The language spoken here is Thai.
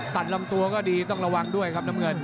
ลำตัวก็ดีต้องระวังด้วยครับน้ำเงิน